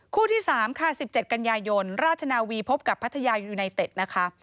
คู่ที่สามค่ะสิบเจ็ดกัญญายนราชนาวีพบกับพัทยายูไนเต็ดนะคะ